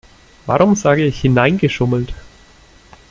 Warum sage ich hineingeschummelt?